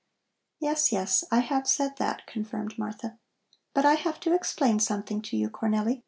"Yes, yes, I have said that," confirmed Martha. "But I have to explain something to you, Cornelli.